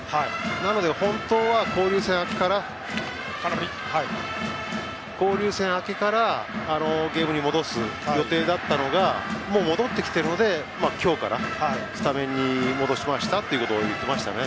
なので本当は交流戦明けからゲームに戻す予定だったのがもう戻ってきているので今日からスタメンに戻しましたということを言っていましたね。